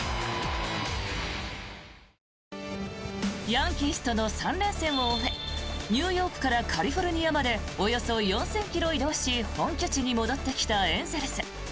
ヤンキースとの３連戦を終えニューヨークからカリフォルニアまでおよそ４０００ｋｍ移動し本拠地に戻ってきたエンゼルス。